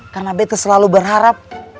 karena betta selalu berharap